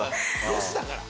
ロスだから。